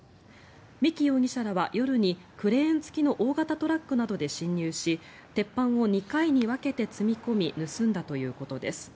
三木容疑者らは、夜にクレーン付きの大型トラックなどで侵入し鉄板を２回に分けて積み込み盗んだということです。